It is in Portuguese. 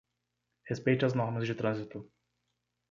Respeite as normas de trânsito.